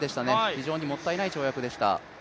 非常にもったいない跳躍でした。